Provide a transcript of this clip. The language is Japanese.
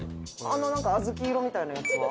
「あのなんかあずき色みたいなやつは？」